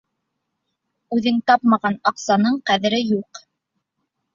Үҙең тапмаған аҡсаның ҡәҙере юҡ.